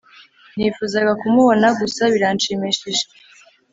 nifuzaga kumubona, gusa biranshimishije